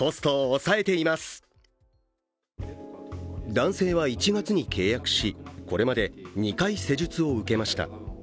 男性は１月に契約し、これまで２回施術を受けました。